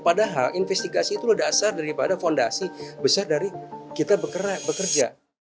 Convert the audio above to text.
padahal investigasi itu adalah dasar daripada fondasi besar dari kita bekerja